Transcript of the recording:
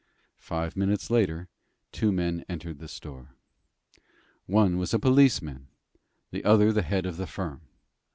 Five minutes later two men entered the store. One was a policeman, the other the head of the firm.